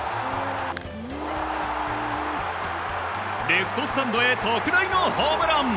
レフトスタンドへ特大のホームラン。